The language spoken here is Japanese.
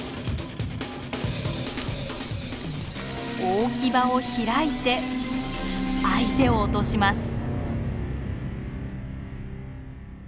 大キバを開いて相手を落とします。